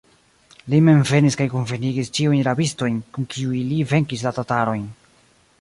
Li mem venis kaj kunvenigis ĉiujn rabistojn, kun kiuj li venkis la tatarojn.